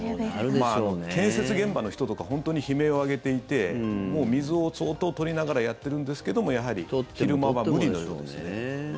建設現場の人とか本当に悲鳴を上げていてもう水を相当取りながらやっているんですけどもやはり昼間は無理なようですね。